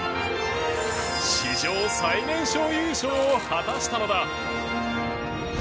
史上最年少優勝を果たしたのだ。